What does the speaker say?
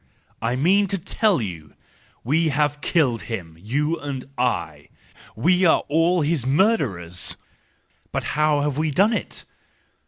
" I mean to tell you ! We have killed him ,—you and I! We are all his murderers ! But how have we done it